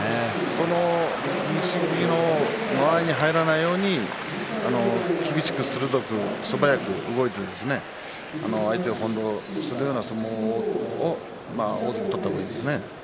その錦木の間合いに入らないように厳しく鋭く素早く動いて相手を翻弄するような相撲を大関は取った方がいいですね。